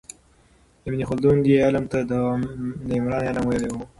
ابن خلدون دې علم ته د عمران علم ویلی و.